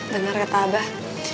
dengar kata abah